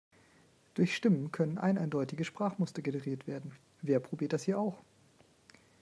Durch Stimmen können eineindeutige Sprachmuster generiert werden - wer probiert das hier auch?